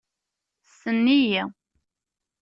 Ssnen-iyi.